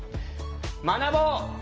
学ぼう！